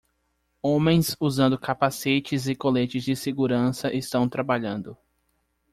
Homens usando capacetes e coletes de segurança estão trabalhando.